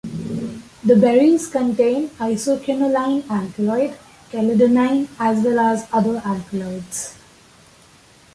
The berries contain the isoquinoline alkaloid chelidonine, as well as other alkaloids.